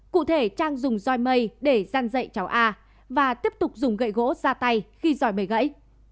cụ thể trang dùng roi mây để gian dậy cháu a và tiếp tục dùng gậy gỗ ra tay khi dòi bề gãy